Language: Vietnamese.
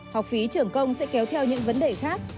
học phí trường công sẽ kéo theo những vấn đề khác